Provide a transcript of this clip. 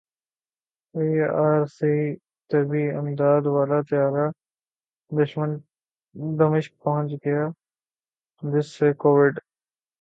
ای R C طبی امداد والا طیارہ دمشق پہنچ گیا جس سے کوویڈ